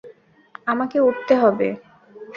আমাকে উঠতে হবে।